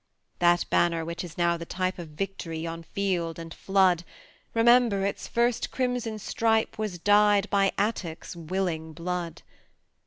That Banner which is now the type Of victory on field and flood Remember, its first crimson stripe Was dyed by Attucks' willing blood.